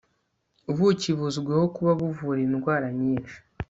ubuki buzwiho kuba buvura indwara nyinshi